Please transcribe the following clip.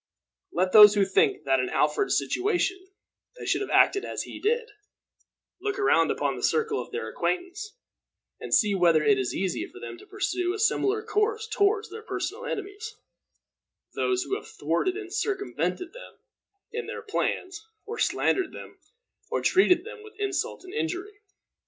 Let those who think that in Alfred's situation they should have acted as he did, look around upon the circle of their acquaintance, and see whether it is easy for them to pursue a similar course toward their personal enemies those who have thwarted and circumvented them in their plans, or slandered them, or treated them with insult and injury.